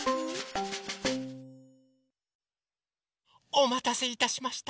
おまたせいたしました！